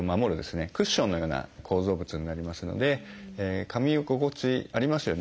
クッションのような構造物になりますのでかみ心地ありますよね